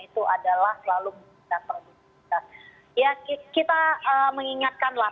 itu adalah selalu berkondisifitas kita mengingatkanlah